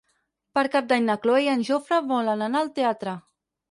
Per Cap d'Any na Cloè i en Jofre volen anar al teatre.